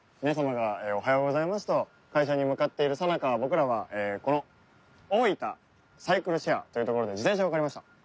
皆様がおはようございますと会社に向かっているさなか僕らはこのおおいたサイクルシェアという所で自転車を借りました。